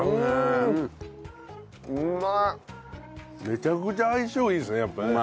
めちゃくちゃ相性いいですねやっぱね。